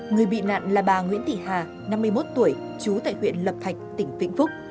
người bị nạn là bà nguyễn thị hà năm mươi một tuổi chú tại huyện lập thạch tỉnh vĩnh phúc